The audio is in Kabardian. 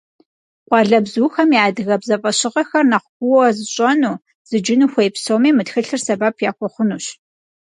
Къуалэбзухэм я адыгэбзэ фӏэщыгъэхэр нэхъ куууэ зыщӏэну, зыджыну хуей псоми мы тхылъыр сэбэп яхуэхъунущ.